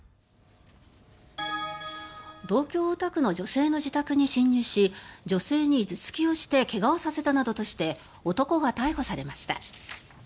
東京・大田区の女性の自宅に侵入し女性に頭突きをして怪我をさせたなどとして男が逮捕されました。